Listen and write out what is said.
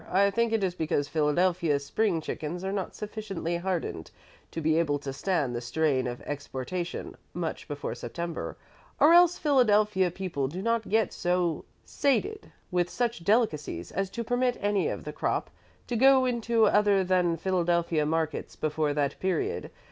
"I think it is because Philadelphia spring chickens are not sufficiently hardened to be able to stand the strain of exportation much before September, or else Philadelphia people do not get so sated with such delicacies as to permit any of the crop to go into other than Philadelphia markets before that period.